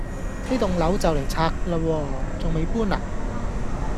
呢幢樓就嚟拆架嘞喎，重未搬呀？